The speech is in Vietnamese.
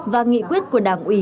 và nghị quyết của đảng